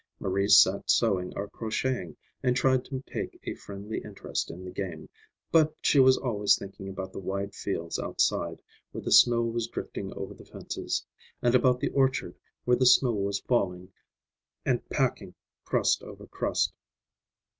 Marie sat sewing or crocheting and tried to take a friendly interest in the game, but she was always thinking about the wide fields outside, where the snow was drifting over the fences; and about the orchard, where the snow was falling and packing, crust over crust.